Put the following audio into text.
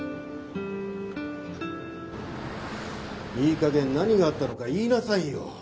いい加減何があったのか言いなさいよ。